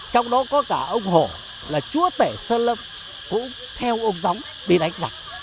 trong đó có cả ông hổ là chúa tể sơn lâm cũng theo ông gióng bị đánh giặc